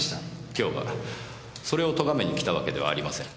今日はそれをとがめに来たわけではありません。